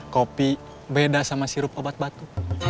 kopi beda sama sirup obat batu